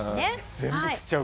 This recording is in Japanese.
全部食っちゃうから。